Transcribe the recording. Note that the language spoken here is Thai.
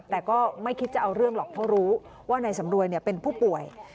แต่ก็ไม่คิดจะเอาเรื่องหรอกเพราะรู้ว่านายสำรวยเป็นผู้ป่วย